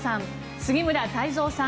杉村太蔵さん